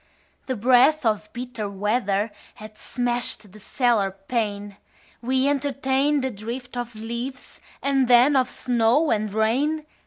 The breath of bitter weather Had smashed the cellar pane: We entertained a drift of leaves And then of snow and rain.